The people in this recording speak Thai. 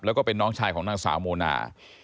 แล้วก็เป็นน้องชายของนางสาวโมนา